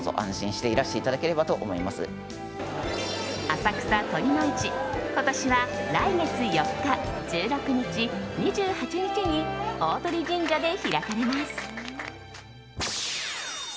浅草・酉の市、今年は来月４日、１６日、２８日に鷲神社で開かれます。